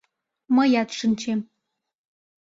Мыят шинчем.